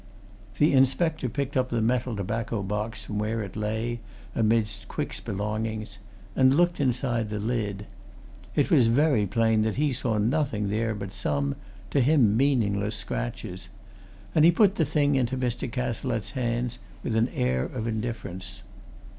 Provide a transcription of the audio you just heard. The inspector picked up the metal tobacco box from where it lay amidst Quick's belongings and looked inside the lid. It was very plain that he saw nothing there but some to him meaningless scratches and he put the thing into Mr. Cazalette's hands with an air of indifference.